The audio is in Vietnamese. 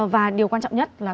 và điều quan trọng nhất là